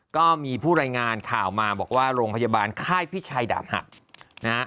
ก็มีผู้รายงานข่าวมาบอกว่าโรงพยาบาลค่ายพิชัยดาบหักนะฮะ